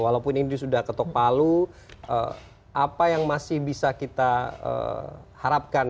walaupun ini sudah ketok palu apa yang masih bisa kita harapkan